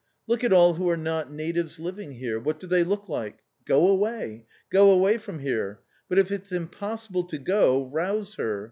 Look at all who are not natives living here. What do they look like ? Go away, go away from here. But if it's impossible to go, rouse her.